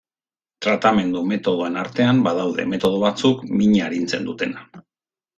Tratamendu metodoen artean badaude metodo batzuk mina arintzen dutena.